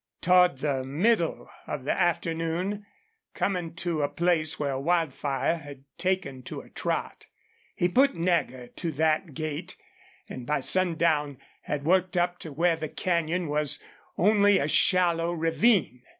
Toward the middle of the afternoon, coming to a place where Wildfire had taken to a trot, he put Nagger to that gait, and by sundown had worked up to where the canyon was only a shallow ravine.